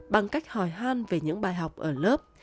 bằng cách hòi hoan về những bài học ở lớp